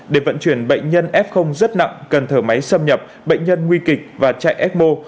để vận chuyển bệnh nhân f rất nặng cần thở máy xâm nhập bệnh nhân nguy kịch và chạy ecmo